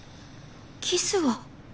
キスは？